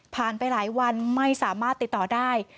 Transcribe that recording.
ไปหลายวันไม่สามารถติดต่อได้